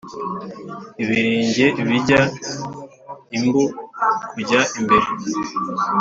Ibirenga bijya imbu kujya imbere